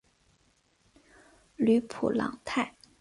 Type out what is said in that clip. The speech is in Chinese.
吕普朗泰。